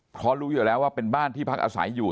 เพราะรู้อยู่แล้วว่าเป็นบ้านที่พักอาศัยอยู่